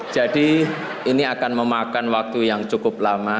jadi ini akan memakan waktu yang cukup lama